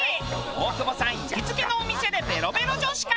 大久保さん行きつけのお店でベロベロ女子会。